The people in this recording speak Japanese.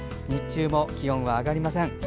日中も気温は上がりません。